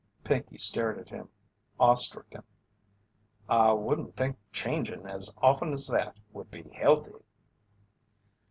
Pinkey stared at him awe stricken: "I wouldn't think changin' as often as that would be healthy."